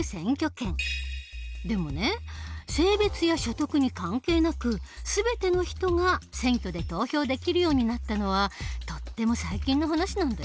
でもね性別や所得に関係なく全ての人が選挙で投票できるようになったのはとっても最近の話なんだよ。